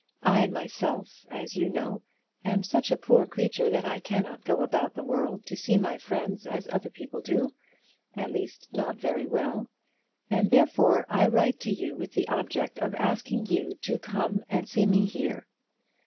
I myself, as you know, am such a poor creature that I cannot go about the world to see my friends as other people do; at least, not very well; and therefore I write to you with the object of asking you to come and see me here.